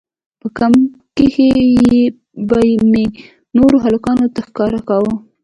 په کمپ کښې به مې نورو هلکانو ته ښکاره کاوه.